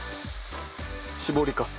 搾りかす。